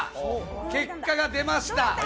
結果が出ました。